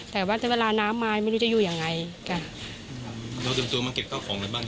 แต่ว่าเวลาน้ำไม้ไม่รู้จะอยู่ยังไงครับเราจำตัวมาเก็บก้าวของมันบ้าง